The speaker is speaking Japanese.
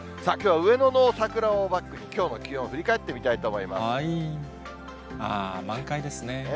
きょうは上野の桜をバックに、きょうの気温を振り返ってみたい満開ですね。